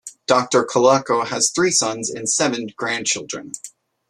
Doctor Colaco has three sons and seven grandchildren.